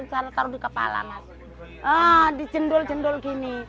saya taruh di kepala di jendul jendul gini